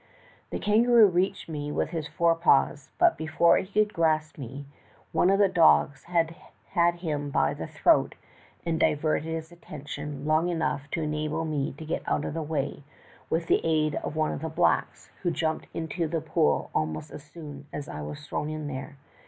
"The kangaroo reached me with his fore paws, but before he could grasp me, one of the dogs had him by the throat and diverted his attention long enough to enable me to get out of the way with the aid of one of the blacks, who jumped into the pool almost as soon as I was thrown there.